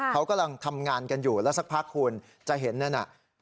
เขากำลังทำงานกันอยู่แล้วสักพักคุณจะเห็นนั่นน่ะ